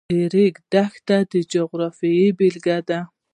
د ریګ دښتې د جغرافیې بېلګه ده.